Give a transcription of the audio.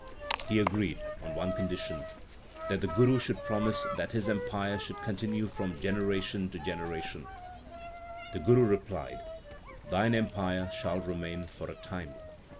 He agreed, on one condition that the Guru should promise that his empire should continue from generation to generation. The Guru replied, Thine empire shall remain for a time.